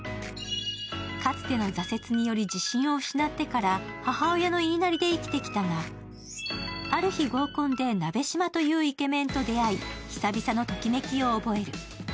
かつての挫折により自身を失ってから、母親の言いなりで生きてきたが、ある日、合コンで鍋島というイケメンと出会い久々のときめきを覚える。